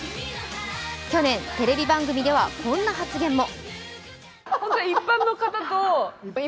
去年、テレビ番組では、こんな発言も。